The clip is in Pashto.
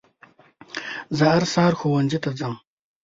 زه هر سهار ښوونځي ته ځم.